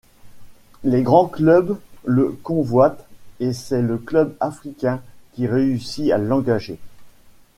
Les grands clubs le convoitent et c'est le Club africain qui réussit à l'engager.